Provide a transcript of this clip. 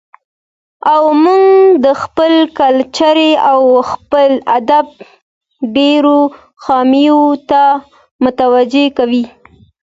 او موږ د خپل کلچر او خپل ادب ډېرو خاميو ته متوجه کوي.